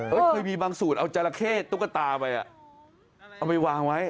เคยมีบางสูตรเอาจราเข้ตุ๊กตาไปเอาไปวางไว้